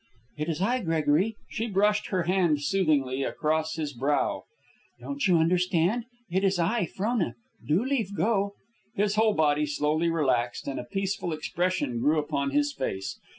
"It is I, Gregory." She brushed her hand soothingly across his brow. "Don't you understand? It is I, Frona. Do leave go." His whole body slowly relaxed, and a peaceful expression grew upon his face.